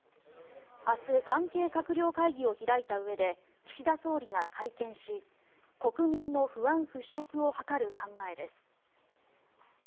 明日関係閣僚会議を開いたうえで岸田総理が会見し国民の不安払しょくを図る考えです。